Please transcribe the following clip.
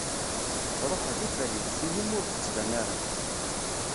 Ruḥ rrif rrif, tili-m ur d-ttban ara.